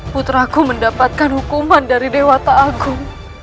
putra aku mendapatkan hukuman dari dewata agung